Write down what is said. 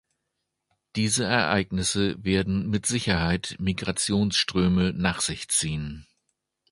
Diese Ereignisse werden mit Sicherheit Migrationsströme nach sich ziehen.